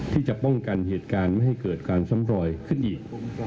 ที่จะป้องกันเหตุการณ์ไม่ให้เกิดการซ้ำรอยขึ้นอีก